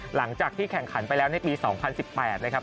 หลังจากที่แข่งขันไปแล้วในปี๒๐๑๘นะครับ